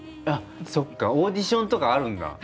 あそっかオーディションとかあるんだ。